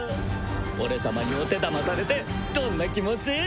俺様にお手玉されてどんな気持ち？